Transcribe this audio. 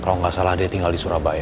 kalau nggak salah dia tinggal di surabaya